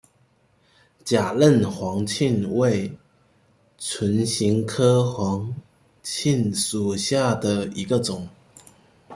假韧黄芩为唇形科黄芩属下的一个种。